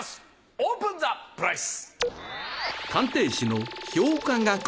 オープンザプライス！